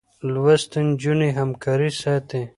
لوستې نجونې همکاري ساتي.